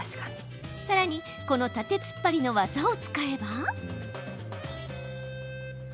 さらに、この縦つっぱりの技を使えば。